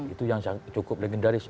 itu yang cukup legendaris